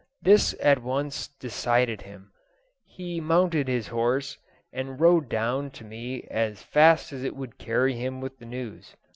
This at once decided him. He mounted his horse, and rode down to me as fast as it would carry him with the news.